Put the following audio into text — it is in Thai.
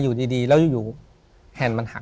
ถูกต้องไหมครับถูกต้องไหมครับ